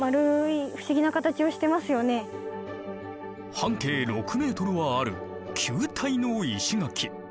半径６メートルはある球体の石垣。